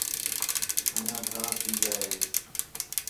انجھیاں گھݨاں تھی ڳیا ہے